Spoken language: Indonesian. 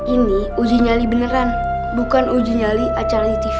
ini uji nyali beneran bukan uji nyali acara di tv